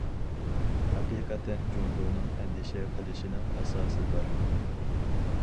ھەقىقەتەن، جۇڭگونىڭ ئەندىشە قىلىشنىڭ ئاساسى بار.